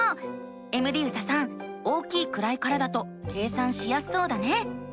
エムディユサさん大きい位からだと計算しやすそうだね。